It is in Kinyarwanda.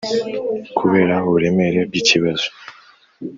kubera uburemere bw'ikibazo